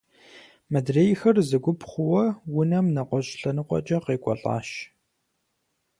Мыдрейхэр зы гуп хъууэ унэм нэгъуэщӏ лъэныкъуэкӏэ къекӏуэлӏащ.